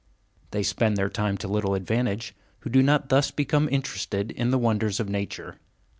They spend their time to little advantage who do not thus become interested in the wonders of nature.